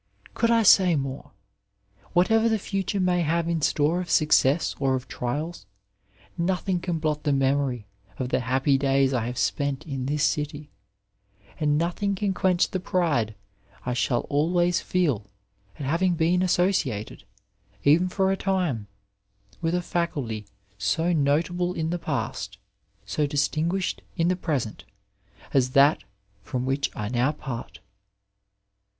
Gould I say morel Whatever the future may have in store of success or of trials, nothing can blot the memory of the happy days I have spent in this city, and nothing can quench the pride I shall always feel at having been associated, even for a time, with a Faculty so notable in the past, so distinguished in the present, as that from which I now part.